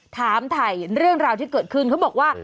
ถามถ่ายเรื่องราวที่เกิดขึ้นเขาบอกว่า